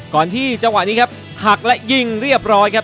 จังหวะที่จังหวะนี้ครับหักและยิงเรียบร้อยครับ